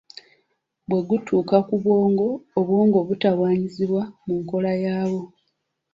Bwe gutuuka ku bwongo, obwongo butawaanyizibwa mu nkola yaabwo.